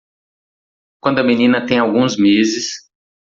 Quando a menina tem alguns meses